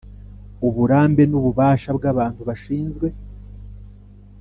Uburambe n ububasha bw abantu bashinzwe